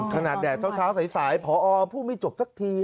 แดดเช้าสายพอพูดไม่จบสักที